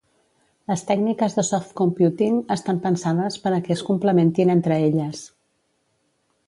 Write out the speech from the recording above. Les tècniques de Soft Computing estan pensades per a que es complementin entre elles.